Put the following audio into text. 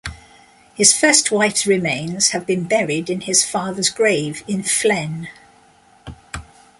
His first wife's remains have been buried in his father's grave in Flen.